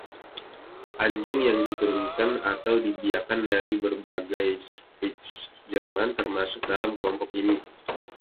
Anjing yang diturunkan atau dibiakkan dari berbagai Spitze Jerman termasuk dalam kelompok ini.